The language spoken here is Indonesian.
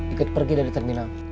ikut pergi dari terminal